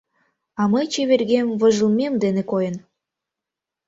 А мый чевергем вожылмем дене койын.